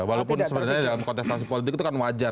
walaupun sebenarnya dalam kontestasi politik itu kan wajar